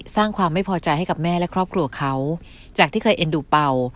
สร้างความไม่พอใจให้กับแม่และครอบครัวเขาจากที่เคยเอ็นดูเป่า